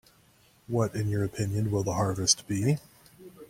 What, in your opinion, will the harvest be?